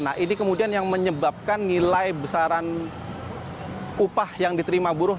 nah ini kemudian yang menyebabkan nilai besaran upah yang diterima buruh